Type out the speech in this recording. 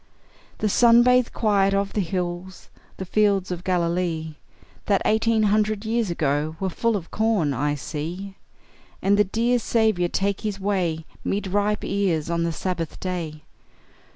The sun bathed quiet of the hills, The fields of Galilee, That eighteen hundred years ago Were full of corn, I see; And the dear Saviour take his way 'Mid ripe ears on the Sabbath day.